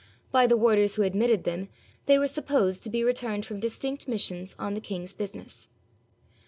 By the warders who admitted them they were supposed to be returned from distinct missions on the king's business.